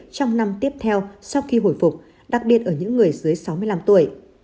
trong năm tiếp theo sau khi hồi phục đặc biệt ở những người dưới sáu mươi năm tuổi